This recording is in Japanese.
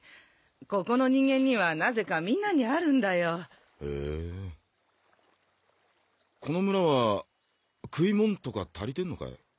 ここの人間にはなぜかみんなにあるんだよへえーこの村は食いモンとか足りてんのかい？